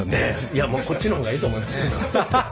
いやこっちの方がええと思いますよ。